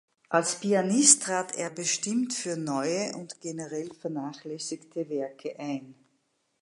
Als Pianist trat er bestimmt für neue und generell vernachlässigte Werke ein.